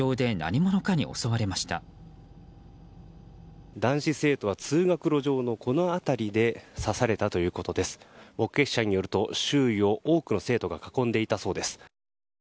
目撃者によると、周囲を多くの生徒が囲んでいたそうです。